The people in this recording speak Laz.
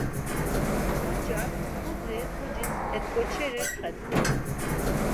Oxorcak budzi mxucis et̆ǩoçeri xet̆u.